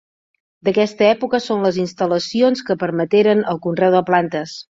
D’aquesta època són les instal·lacions que permeteren el conreu de plantes.